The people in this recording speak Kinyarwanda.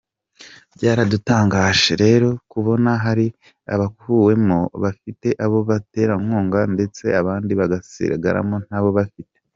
Byaradutangaje rero kubona hari abakuwemo bafite abo baterankunga ndetse abandi bagasigaramo ntabo bafite.